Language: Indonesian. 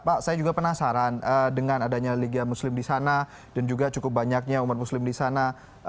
pak saya juga penasaran dengan adanya liga muslim di sana dan juga cukup banyaknya umat muslim di sana